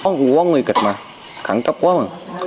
có người kịch mà khẳng cấp quá mà